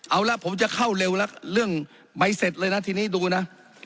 เอาละผมจะเข้าเร็วแล้วเรื่องใบเสร็จเลยนะทีนี้ดูนะ